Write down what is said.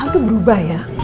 hal itu berubah ya